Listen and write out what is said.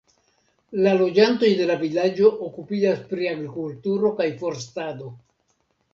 La loĝantoj de la vilaĝo okupiĝas pri agrikulturo kaj forstado.